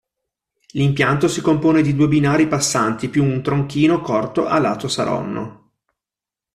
L'impianto si compone di bue binari passanti più un tronchino corto a lato Saronno.